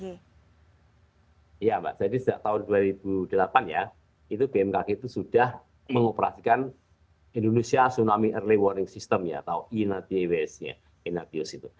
iya mbak jadi sejak tahun dua ribu delapan ya itu bmkg itu sudah mengoperasikan indonesia tsunami early warning system atau inadius